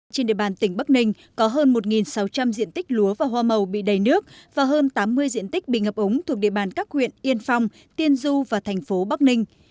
trên địa bàn tỉnh bắc ninh có hơn một sáu trăm linh diện tích lúa và hoa màu bị đầy nước và hơn tám mươi diện tích bị ngập ống thuộc địa bàn các huyện yên phong tiên du và thành phố bắc ninh